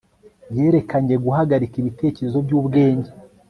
yerekanye guhagarika ibitekerezo byubwenge